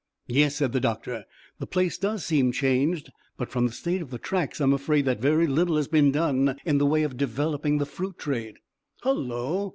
"Yes," said the doctor, "the place does seem changed; but from the state of the tracks I'm afraid that very little has been done in the way of developing the fruit trade. Hullo!